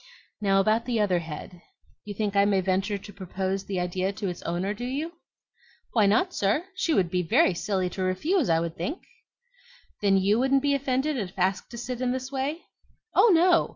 Now, about the other head; you think I may venture to propose the idea to its owner, do you?" "Why not, sir? She would be very silly to refuse, I think." "Then YOU wouldn't be offended if asked to sit in this way?" "Oh, no.